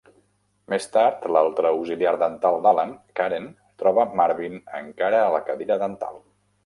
Més tard, l'altra auxiliar dental d'Alan, Karen, troba Marvin encara a la cadira dental.